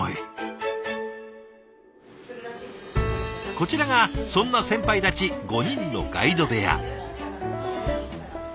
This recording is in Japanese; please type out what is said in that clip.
こちらがそんな先輩たち５人のガイド部屋。